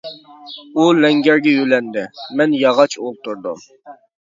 ئۇ لەڭگەرگە يۆلەندى، مەن ياغاچ ئولتۇردۇم.